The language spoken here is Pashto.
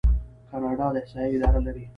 کاناډا د احصایې اداره لري.